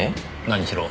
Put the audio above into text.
何しろ